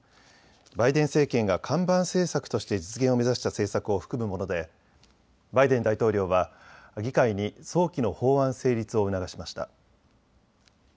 バイデン政権が看板政策として実現を目指した政策を含むものでバイデン大統領は議会に早期の法案成立を促しました。